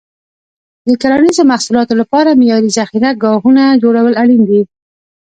د کرنیزو محصولاتو لپاره معیاري ذخیره ګاهونه جوړول اړین دي.